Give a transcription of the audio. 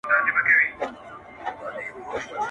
o هغه نن بيا د واويلا خاوند دی.